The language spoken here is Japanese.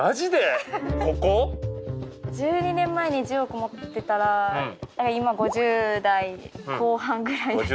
１２年前に１０億持ってたら今５０代後半くらい。